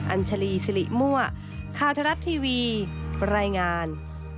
อัญชลีสิริมั่วข่าวทรัฐทีวีรายงาน